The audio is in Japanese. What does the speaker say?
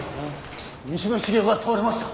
三島茂夫が倒れました。